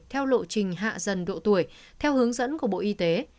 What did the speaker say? theo lộ trình hạ dần độ tuổi theo hướng dẫn của bộ y tế